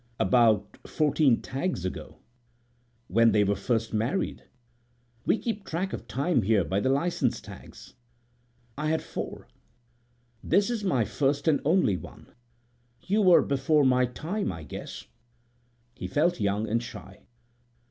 "About fourteen tags ago, when they were first married. We keep track of time here by the license tags. I had four." < 4 > "This is my first and only one. You were before my time, I guess." He felt young and shy.